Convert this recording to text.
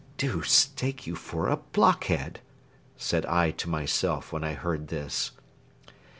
"Deuce take you for a blockhead!" said I to myself when I heard this.